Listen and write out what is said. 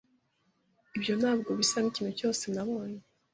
Ibyo ntabwo bisa nkikintu cyose nabonye.